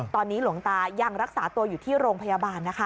ตอนนี้หลวงตายังรักษาตัวอยู่ที่โรงพยาบาลนะคะ